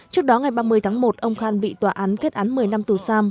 trước đó ngày ba mươi tháng một ông khan bị tòa án kết án một mươi năm tù giam